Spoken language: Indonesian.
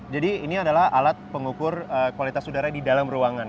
jadi ini adalah alat pengukur kualitas udara di dalam ruangan